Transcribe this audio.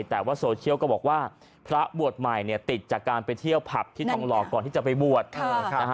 แต่ว่าโซเชียลก็บอกว่าพระบวชใหม่เนี่ยติดจากการไปเที่ยวผับที่ทองหล่อก่อนที่จะไปบวชนะฮะ